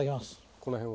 この辺を。